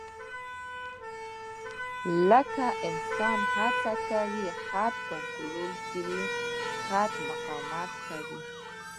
کله انسان هڅه کوي خط کنټرول کړي، خط مقاومت کوي.